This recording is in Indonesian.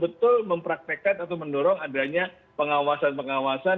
bisa betul betul mempraktekkan atau mendorong adanya pengawasan pengawasan